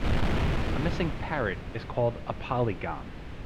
A missing parrot is called a polygon.